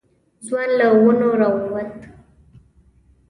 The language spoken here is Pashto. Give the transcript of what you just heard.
ځوان له ونو راووت.